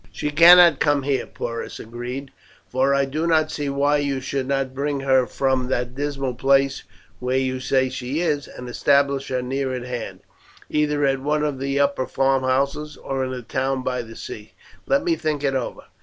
"She cannot come here," Porus agreed; "but I do not see why you should not bring her from that dismal place where you say she is, and establish her near at hand, either at one of the upper farmhouses, or in a town by the sea. Let me think it over.